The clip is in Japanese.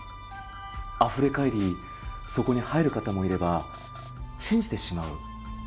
あふれ返りそこに入る方もいれば信じてしまう。